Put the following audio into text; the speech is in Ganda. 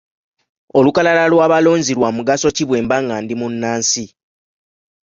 Olukalala lw'abalonzi lwa mugaso ki bwe mba nga ndi munnansi?